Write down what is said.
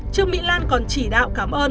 trường mỹ lan còn chỉ đạo cảm ơn